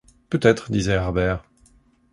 Peut-être, disait Harbert